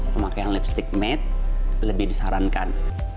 pemakaian lipstick made lebih disarankan